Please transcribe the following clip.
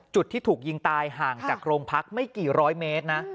จุดที่ถูกยิงตายห่างจากโรงพักไม่กี่ร้อยเมตรนะ